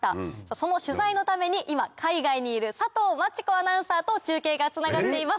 その取材のために今海外にいる佐藤真知子アナウンサーと中継がつながっています。